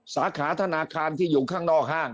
สาขาธนาคารที่อยู่ข้างนอกห้าง